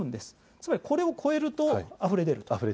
つまり、これを超えるとあふれ出ると。